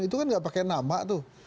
itu kan gak pake nama tuh